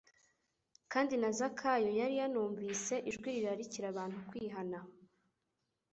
Kandi na Zakayo yari yanunvise ijwi rirarikira abantu kwihana.